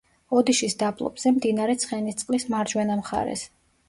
ოდიშის დაბლობზე, მდინარე ცხენისწყლის მარჯვენა მხარეს.